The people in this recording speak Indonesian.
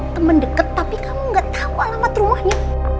temen deket tapi kamu gak tahu alamat rumahnya